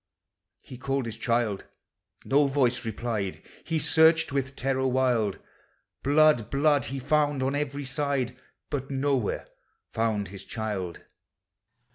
He called his child, — no voice replied, — He searched with terror wild; Blood, blood he found on every side, But nowhere found his child.